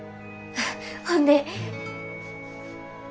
ほんで。